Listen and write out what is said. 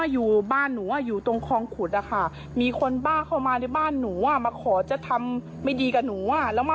ยังอยูทวนโทรแจ้ง๑๙๑แล้วเนี่ยมายืนเยี่ยว